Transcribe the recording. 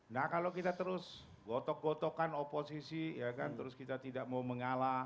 nah kalau kita terus gotok gotokan oposisi ya kan terus kita tidak mau mengalah